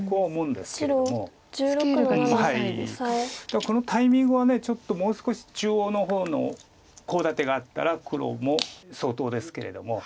だからこのタイミングはちょっともう少し中央の方のコウ立てがあったら黒も相当ですけれども。